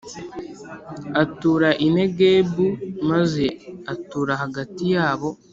atura i Negebu maze atura hagati yabo